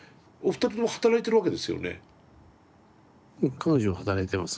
彼女は働いてます。